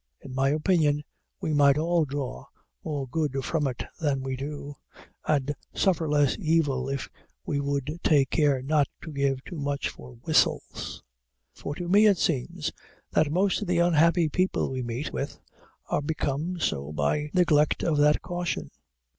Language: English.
In my opinion we might all draw more good from it than we do, and suffer less evil, if we would take care not to give too much for whistles. For to me it seems that most of the unhappy people we meet with are become so by neglect of that caution.